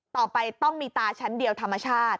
ต่อไปต้องมีตาชั้นเดียวธรรมชาติ